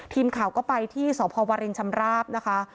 ทีมข่าวก็ไปที่สพวรินชำราบนะคะ